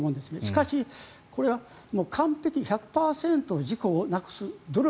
しかし、これは完璧、１００％事故をなくす努力